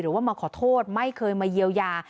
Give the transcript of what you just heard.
หรือว่ามาขอโทษไม่เคยมาเยียวยา